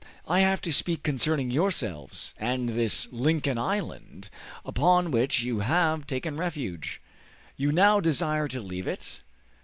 I have to speak concerning yourselves, and this Lincoln Island, upon which you have taken refuge. You now desire to leave it?"